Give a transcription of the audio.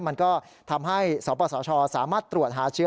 มันก็ทำให้สปสชสามารถตรวจหาเชื้อ